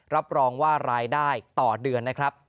รับรองว่ารายได้ต่อเดือนนะครับ